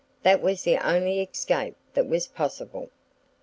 That was the only escape that was possible.